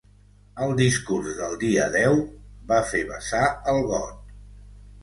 El discurs del dia deu ‘va fer vessar el got’